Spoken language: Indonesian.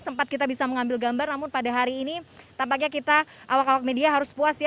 sempat kita bisa mengambil gambar namun pada hari ini tampaknya kita awak awak media harus puas ya